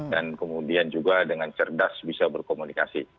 dan kemudian juga dengan cerdas bisa berkomunikasi